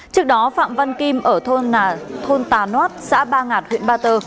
trước đó phạm văn kim ở thôn tà nốt xã ba ngạt huyện ba tơ